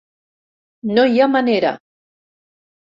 No hi ha manera!